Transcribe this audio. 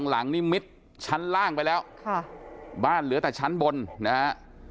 หลังนี่มิดชั้นล่างไปแล้วค่ะบ้านเหลือแต่ชั้นบนนะฮะ